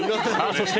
そして」